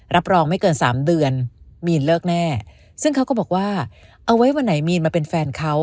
รับรองไม่เกินสามเดือนมีนเลิกแน่ซึ่งเขาก็บอกว่าเอาไว้วันไหนมีนมาเป็นแฟนเขา